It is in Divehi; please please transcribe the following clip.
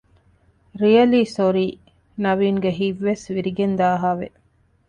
ރިއަލީ ސޮރީ ނަވީންގެ ހިތްވެސް ވިރިގެންދާހާވެ